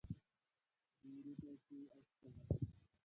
ډېرې پیسې او شتمني.